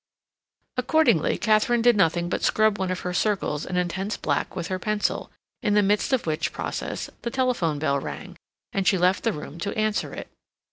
Accordingly, Katharine did nothing but scrub one of her circles an intense black with her pencil, in the midst of which process the telephone bell rang, and she left the room to answer it.